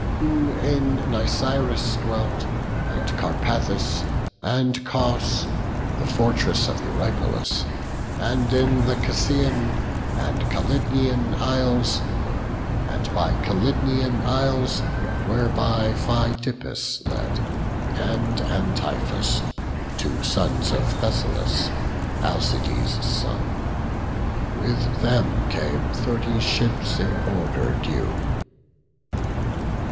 Who in Nisyrus dwelt, and Carpathus, And Cos, the fortress of Eurypylus, And in the Casian and Calydnian Isles, Were by Phidippus led, and Antiphus, Two sons of Thessalus, Alcides' son; With them came thirty ships in order due.